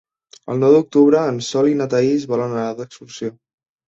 El nou d'octubre en Sol i na Thaís volen anar d'excursió.